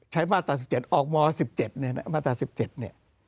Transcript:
ใช้มาตรศาสตร์๑๗ออกมอเมอร์๑๗เนี่ย